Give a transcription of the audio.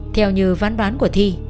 theo như ván bán của thi